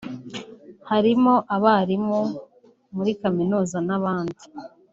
harimo abarimu muri kaminuza n’abandi